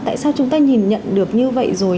tại sao chúng ta nhìn nhận được như vậy rồi